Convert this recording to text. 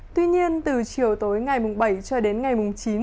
tuy nhiên từ chiều tối ngày mùng bảy cho đến ngày mùng chín